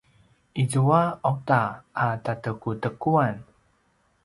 izua auta a tatekutekuan